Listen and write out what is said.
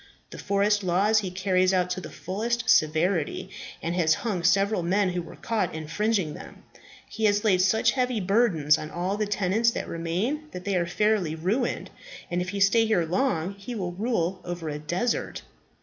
The forest laws he carries out to the fullest severity, and has hung several men who were caught infringing them. He has laid such heavy burdens on all the tenants that remain that they are fairly ruined, and if he stay here long he will rule over a desert.